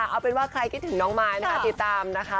เอาเป็นว่าใครคิดถึงน้องมายนะคะติดตามนะคะ